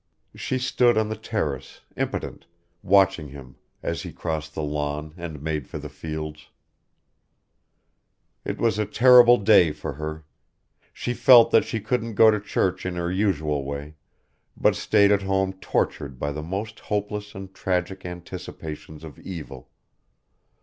She stood on the terrace, impotent, watching him as he crossed the lawn and made for the fields. It was a terrible day for her. She felt that she couldn't go to church in her usual way, but stayed at home tortured by the most hopeless and tragic anticipations of evil.